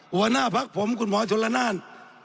หัวหน้าภักดิ์ผมคุณหมอชลนาน